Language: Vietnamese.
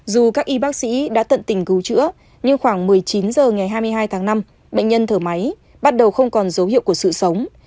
dù các y bác sĩ đã tận tình cứu chữa nhưng khoảng một mươi chín h ngày hai mươi hai tháng năm bệnh nhân thở máy bắt đầu không còn dấu hiệu của sự sống